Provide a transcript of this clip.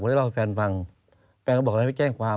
ได้เล่าให้แฟนฟังแฟนก็บอกให้ไปแจ้งความ